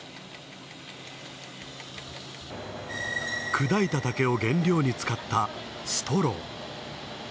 砕いた竹を原料に使った、ストロー。